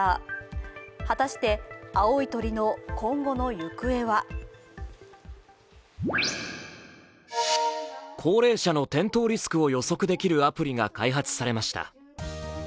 果たして青い鳥の今後の行方は高齢者の転倒リスクを予測できるアプリが開発されました。